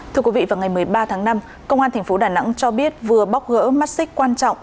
thưa quý vị vào ngày một mươi ba tháng năm công an tp đà nẵng cho biết vừa bóc gỡ mắt xích quan trọng